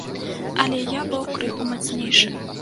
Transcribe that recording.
Але я быў крыху мацнейшы.